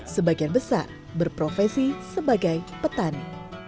sebagian besar berprofesi sebagai petani